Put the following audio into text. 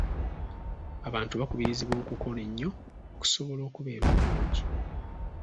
Abantu bakubirizibwa okukola ennyo okusobola okubeera obulungi.